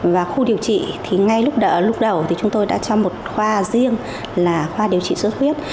và khu điều trị thì ngay lúc đầu thì chúng tôi đã cho một khoa riêng là khoa điều trị sốt huyết